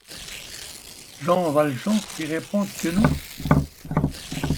Jean Valjean fit répondre que non.